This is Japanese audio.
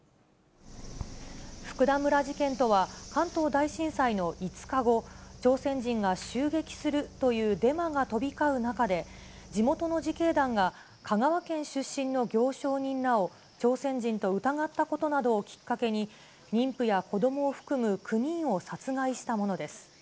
福田村事件とは、関東大震災の５日後、朝鮮人が襲撃するというデマが飛び交う中で、地元の自警団が香川県出身の行商人らを朝鮮人と疑ったことなどをきっかけに、妊婦や子どもを含む９人を殺害したものです。